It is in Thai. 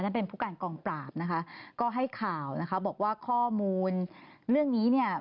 เป็นผู้การกองปราบนะคะก็ให้ข่าวนะคะบอกว่าข้อมูลเรื่องนี้เนี่ย